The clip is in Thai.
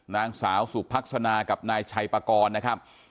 นางสาวสุภักษณากับนายชัยปากรนะครับ